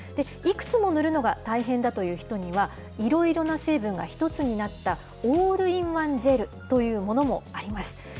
いくつも塗るのが大変だという人には、いろいろな成分が一つになった、オールインワンジェルというものもあります。